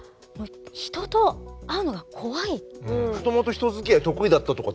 もともと人づきあい得意だったとかって人たちがね